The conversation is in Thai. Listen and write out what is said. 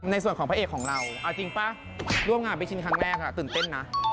ในส่วนของพระเอกของเราเอาจริงป่ะร่วมงานพิชินครั้งแรกตื่นเต้นนะ